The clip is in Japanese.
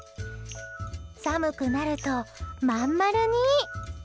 寒くなると、まん丸に。